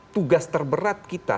tugas terberat kita